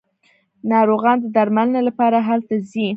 ناروغان د درملنې لپاره هلته ځي.